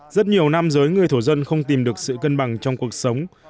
rất nhiều nam giới người thổ dân không tìm được sự cân bằng trong cuộc sống